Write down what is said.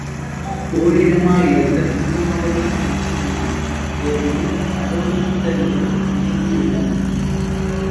ஒரிடமா யிருத்தல் சுகமாகத்தான் இருக்கும் எனத் தேர்ந்து கடோர சித்தனுடன் இணங்கி இருந்தனன்.